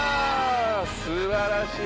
すばらしい！